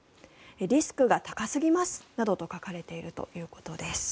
リスクが高すぎますなどと書かれているということです。